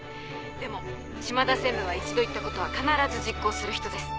でも島田専務は一度言ったことは必ず実行する人です